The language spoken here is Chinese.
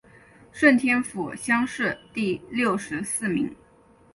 顺天府乡试第六十四名。